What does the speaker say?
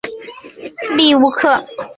利乌克。